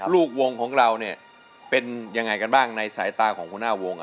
ลูกวงของเราเนี่ยเป็นยังไงกันบ้างในสายตาของหัวหน้าวง